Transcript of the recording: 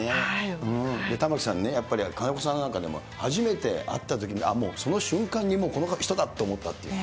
玉城さんね、やっぱり金子さんなんかね、初めて会ったときに、もうその瞬間にこの人だと思ったっていう。